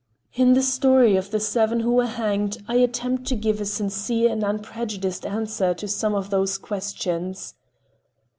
In the story of "The Seven Who Were Hanged" I attempted to give a sincere and unprejudiced answer to some of these questions.